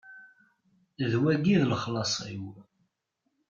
D wagi i d lexlaṣ-iw.